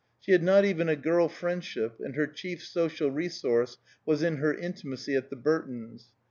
She had not even a girl friendship, and her chief social resource was in her intimacy at the Burtons.